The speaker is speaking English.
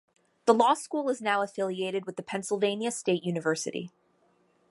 The law school is now affiliated with the Pennsylvania State University.